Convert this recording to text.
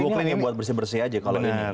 tapi ini hanya untuk bersih bersih saja kalau ini